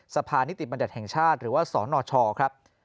สภานิติบัญญัติแห่งชาติหรือว่าสนชครับ